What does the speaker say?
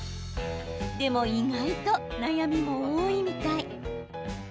でも、意外と悩みも多いみたい。